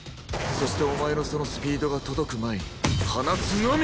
そしてお前のそのスピードが届く前に放つのみ！